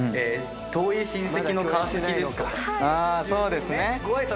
あぁそうですね。